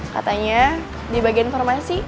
katanya di bagian informasi